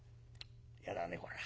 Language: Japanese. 嫌だねこりゃ。